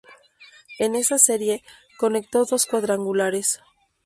En esa Serie, conectó dos cuadrangulares.